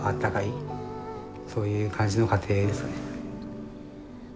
そういう感じの家庭ですかね。